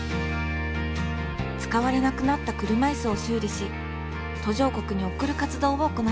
使われなくなった車いすを修理し途上国におくる活動を行っています。